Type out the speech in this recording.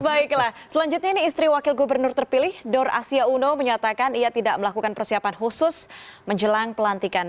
baiklah selanjutnya ini istri wakil gubernur terpilih dor asia uno menyatakan ia tidak melakukan persiapan khusus menjelang pelantikan